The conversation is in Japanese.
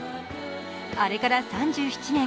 あれから３７年。